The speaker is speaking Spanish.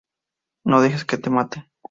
No dejes que te maten.